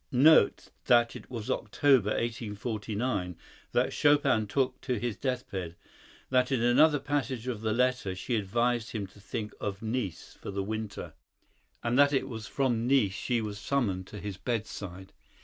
Note that it was in October, 1849, that Chopin took to his deathbed; that in another passage of the letter she advised him to think of Nice for the winter; and that it was from Nice she was summoned to his bedside.